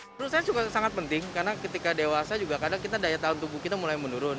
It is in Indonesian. menurut saya sangat penting karena ketika dewasa juga kadang kita daya tahun tubuh kita mulai menurun